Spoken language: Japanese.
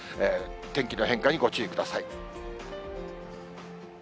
天気の変化にご注意ください。